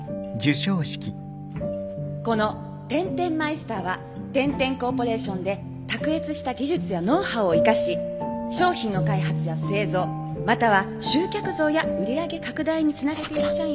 この天天マイスターは天・天コーポレーションで卓越した技術やノウハウを生かし商品の開発や製造または集客増や売り上げ拡大につなげている社員を。